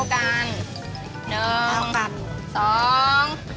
เกลือมงมต้อง